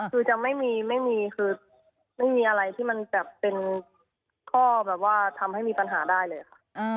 คือจะไม่มีอะไรที่มันเป็นข้อทำให้มีปัญหาได้เลยค่ะ